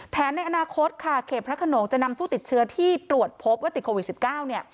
ในอนาคตค่ะเขตพระขนงจะนำผู้ติดเชื้อที่ตรวจพบว่าติดโควิด๑๙เนี่ย